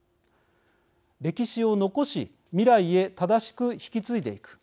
歴史を残し未来へ正しく引き継いでいく。